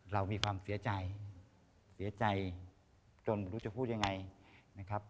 เรามีความเสียใจเสียใจจนไม่รู้จะพูดยังไงนะครับ